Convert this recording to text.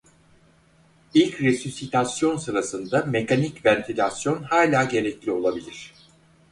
İlk resüsitasyon sırasında mekanik ventilasyon hala gerekli olabilir.